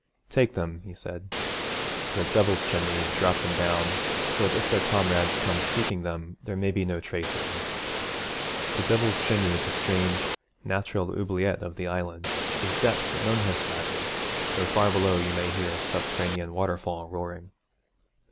'Take them,' he said, 'to the Devil's Chimney and drop them down, so that if their comrades come seeking them there may be no trace of them.' The Devil's Chimney is a strange, natural oubliette of the Island, whose depth none has fathomed, though far below you may hear a subterranean waterfall roaring.